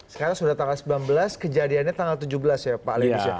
sekarang sudah tanggal sembilan belas kejadiannya tanggal tujuh belas ya pak lady